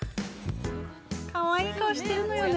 かわいい顔してるのよね。